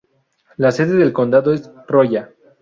La sede del condado es Rolla.